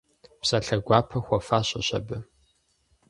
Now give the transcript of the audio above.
Псалъэ гуапэ хуэфащэщ абы.